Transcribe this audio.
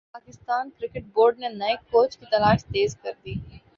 Pakistan cricket board نے نئے coach کی تلاش تیز کر دی